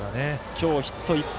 今日ヒット１本。